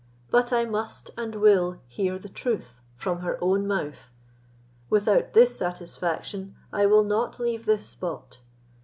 But I must and will hear the truth from her own mouth; without this satisfaction I will not leave this spot.